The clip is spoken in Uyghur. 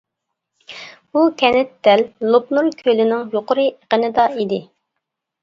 بۇ كەنت دەل لوپنور كۆلىنىڭ يۇقىرى ئېقىنىدا ئىدى.